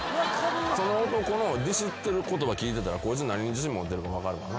その男のディスってる言葉聞いてたらこいつ何に自信持ってるか分かる。